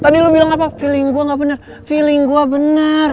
tadi lo bilang apa feeling gue gak bener feeling gue benar